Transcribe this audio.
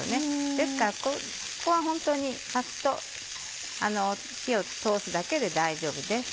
ですからここは本当にサッと火を通すだけで大丈夫です。